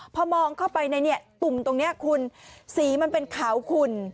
พอมองเข้าไปในตุ่มตรงนี้คุณสีมันเป็นขาวขุ่น